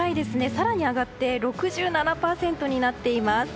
更に上がって６７％になっています。